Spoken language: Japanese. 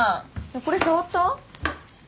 これ触った？